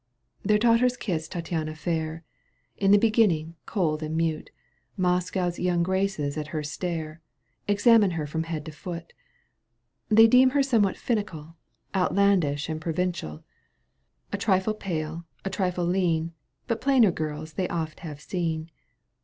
Their daughters kiss Tattiaiia fair. I' In the beginning, cold and mute, Moscow's yoimg Graces at her stare. Examine her from head to foot. They deem her somewhat finical, ^ Outlandish and provincial, Jji trifle pale, a trifle lean. But plainer girls they oft had seen.